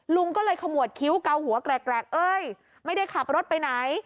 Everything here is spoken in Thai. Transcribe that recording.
ลุงก็เลยขมวดคิ้วเกาหัวแกรกเอ้ยไม่ได้ขับรถไปไหน